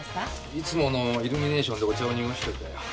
いつものイルミネーションでお茶を濁しておいたよ。